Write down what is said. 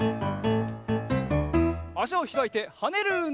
あしをひらいてはねるうんどう！